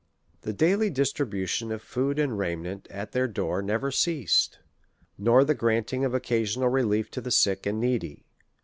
The daily distribution of food and raiment at their door never ceased, nor the granting of occasional re lief to the sick and needy.